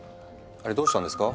あれどうしたんですか？